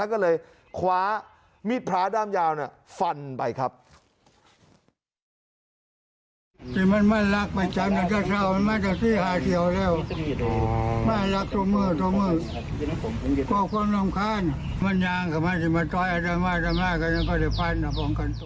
ก็เลยขวามีดพระดามยาวเนี่ยฟันไปครับ